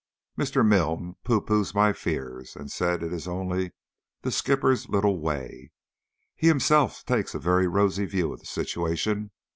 Mr. Milne pooh poohs my fears, and says it is only the "skipper's little way." He himself takes a very rosy view of the situation.